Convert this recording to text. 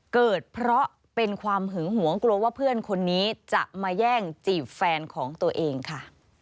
เกิดเพราะเป็นความหึงหวงกลัวว่าเพื่อนคนนี้จะมาแย่งจีบแฟนของตัวเองค่ะ